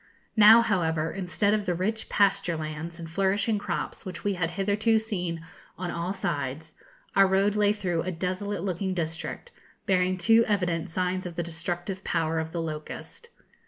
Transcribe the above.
Now, however, instead of the rich pasture lands and flourishing crops which we had hitherto seen on all sides, our road lay through a desolate looking district, bearing too evident signs of the destructive power of the locust.